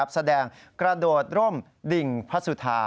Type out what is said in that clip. แสดงกระโดดร่มดิ่งพระสุธา